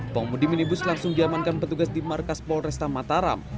pengumudi minibus langsung diamankan petugas di markas polresta mataram